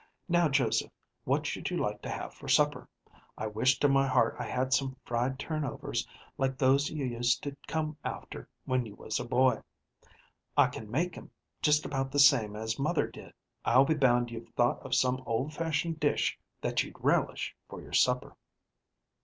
"Now, Joseph, what should you like to have for supper? I wish to my heart I had some fried turnovers, like those you used to come after when you was a boy. I can make 'em just about the same as mother did. I'll be bound you've thought of some old fashioned dish that you'd relish for your supper."